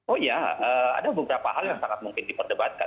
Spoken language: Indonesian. oh ya ada beberapa hal yang sangat mungkin diperdebatkan